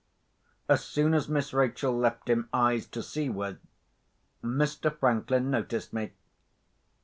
As soon as Miss Rachel left him eyes to see with, Mr. Franklin noticed me.